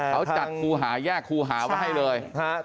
เขาจัดครูหาแยกครูหาไว้ให้เลย